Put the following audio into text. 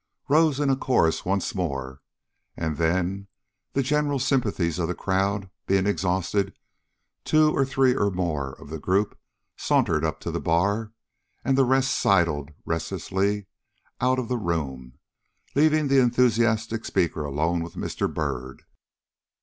rose in chorus once more, and then, the general sympathies of the crowd being exhausted, two or three or more of the group sauntered up to the bar, and the rest sidled restlessly out of the room, leaving the enthusiastic speaker alone with Mr. Byrd.